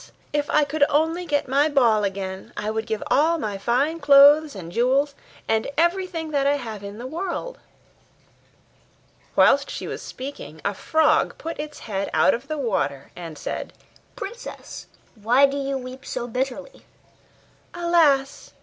if I could only get my ball again, I would give all my fine clothes and jewels, and everything that I have in the world.' Whilst she was speaking, a frog put its head out of the water, and said, 'Princess, why do you weep so bitterly?' 'Alas!